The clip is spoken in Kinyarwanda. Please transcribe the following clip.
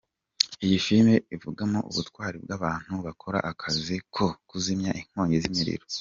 Iyi filime ivugamo ubutwari bw’abantu bakora akazi ko kuzimya inkongi z’imiriro.